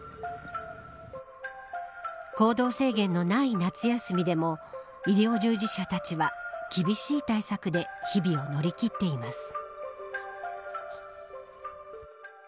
行動制限のない夏休みでも医療従事者たちは厳しい対策で日々を乗り切っています。